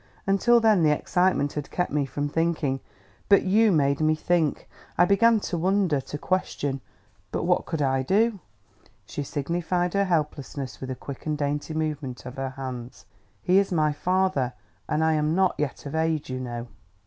Until then the excitement had kept me from thinking. But you made me think. I began to wonder, to question ... But what could I do?" She signified her helplessness with a quick and dainty movement of her hands. "He is my father; and I'm not yet of age, you know."